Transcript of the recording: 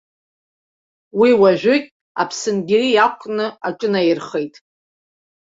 Уи уажәыгь аԥсынгьыри иақәкны аҿынаирхеит.